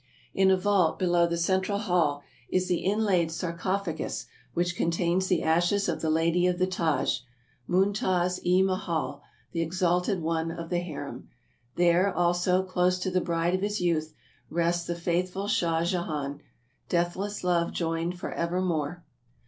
In a vault below the central hall is the inlaid sarcophagus which contains the ashes of the lady of the Taj — Moontaz i Mahal, the Exalted One of the Harem. There, also, close to the bride of his youth, rests the faithful Shah Jehan. Deathless love joined forevermore.